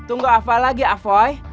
tunggu apa lagi afoy